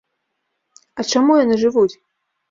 А чаму яны жывуць?